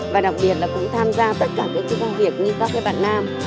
và đặc biệt là cũng tham gia tất cả các cái công việc như các cái bạn nam